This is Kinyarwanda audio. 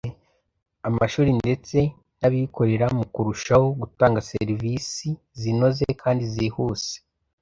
amashuri ndetse n’abikorera mu kurushaho gutanga serivisi zinoze kandi zihuse